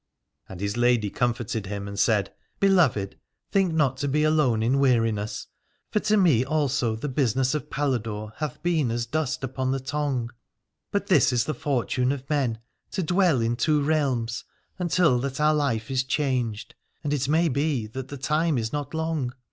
And his lady comforted him and 301 Aladore said : Beloved, think not to be alone in weari ness, for to me also the business of Paladore hath been as dust upon the tongue. But this is the fortune of men, to dwell in two realms, until that our life is changed : and it may be that the time is not long.